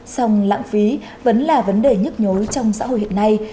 xong lãng phí vẫn là vấn đề nhất nhối trong xã hội hiện nay